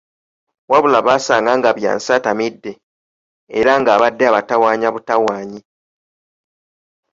Wabula baasanga nga Byansi atamidde, era ng'abadde abatawaanya butawaanyi.